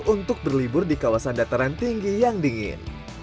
untuk berlibur di kawasan dataran tinggi yang dingin